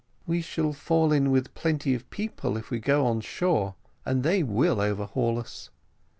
"We shall fall in with plenty of people if we go on shore, and they will overhaul us."